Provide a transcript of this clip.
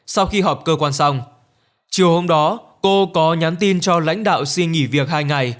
một mươi hai sau khi họp cơ quan xong chiều hôm đó cô có nhắn tin cho lãnh đạo xin nghỉ việc hai ngày